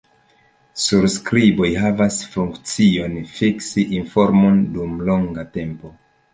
Surskriboj havas la funkcion, fiksi informon dum longa tempo.